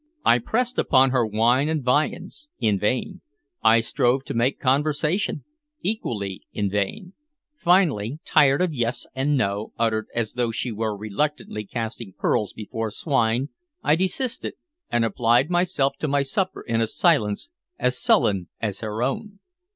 I pressed upon her wine and viands, in vain; I strove to make conversation, equally in vain. Finally, tired of "yes" and "no" uttered as though she were reluctantly casting pearls before swine, I desisted, and applied myself to my supper in a silence as sullen as her own.